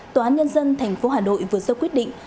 tòa án nhân dân tp hà nội vừa sơ quyết định